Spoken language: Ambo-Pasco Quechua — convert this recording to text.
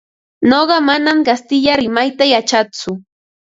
Nuqa manam kastilla rimayta yachatsu.